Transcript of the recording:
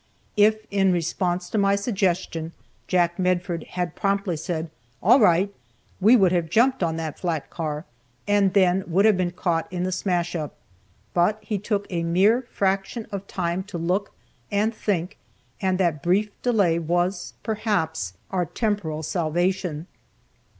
If in response to my suggestion Jack Medford had promptly said, "All right," we would have jumped on that flat car, and then would have been caught in the smash up. But he took a mere fraction of time to look and think, and that brief delay was, perhaps, our temporal salvation.